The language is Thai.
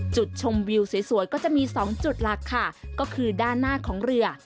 จุดชมวิวสวยก็จะมี๒จุดหลักค่ะก็คือด้านหน้าของเรือ